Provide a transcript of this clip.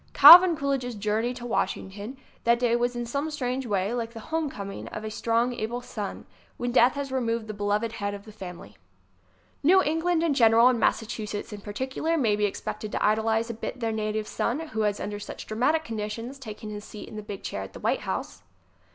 Calvin Coolidge's journey to Washington that day was in some strange way like the home coming of a strong, able son when death has removed the beloved head of the family. New England in general and Massachusetts in particular may be expected to idolize a bit their na tive son who has under such dramatic conditions taken his seat in the big chair at the White House.